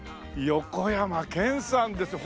横山剣さんですよ。